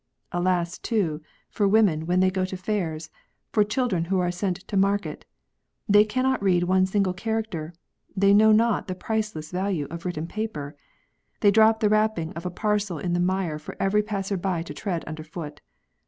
Alas, too, for women when they go to fairs, for children who are sent to market ! They cannot read one single character : they know not the priceless value of written paper. They drop the wrapping of a parcel in the mire for every passer by to tread under foot.